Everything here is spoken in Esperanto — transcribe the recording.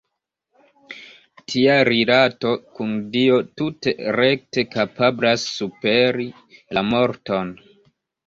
Tia rilato kun Dio tute rekte kapablas superi la morton.